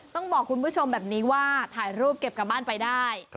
ต้องบอกคุณผู้ชมแบบนี้ว่าถ่ายรูปเก็บกลับบ้านไปได้